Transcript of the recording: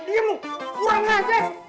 diam kurang ajar